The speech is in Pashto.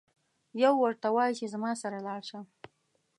یو ورته وایي چې زما سره لاړشه.